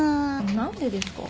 何でですか？